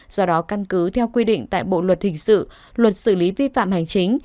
do đó căn cứ theo quy định tại bộ luật hình sự luật xử lý vi phạm hành chính